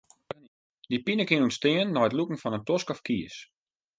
Dy pine kin ûntstean nei it lûken fan in tosk of kies.